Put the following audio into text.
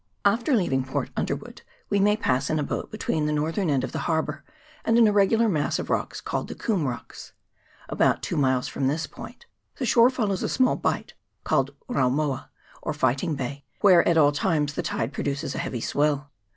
After leav ing Port Underwood we may pass in a boat between the northern head of the harbour and an irregular mass of rocks called the Coombe Rocks. About two miles from this point the shore forms a small bight, called Raumoa, or Fighting Bay, where at all times the tide produces a heavy swell.